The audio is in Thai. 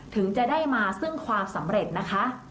ถึงจะได้มาซึ่งความสำเร็จนะคะ